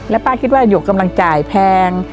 แล้วป้าคิดว่าหยกกำลังจ่ายแพง